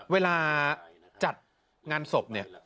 เวลาจัดงานศพเนี่ย